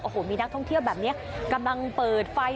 โอ้โหมีนักท่องเที่ยวแบบนี้กำลังเปิดไฟ